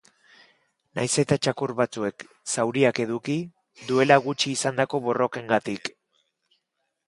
Nahiz eta txakur batzuek zauriak eduki, duela gutxi izandako borrokengatik.